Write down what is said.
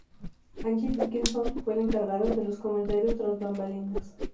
Angie Dickinson fue la encargada de los comentarios tras bambalinas.